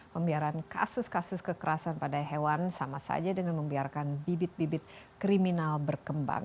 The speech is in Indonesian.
pembiaran kasus kasus kekerasan pada hewan sama saja dengan membiarkan bibit bibit kriminal berkembang